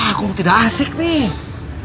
aku tidak asik nih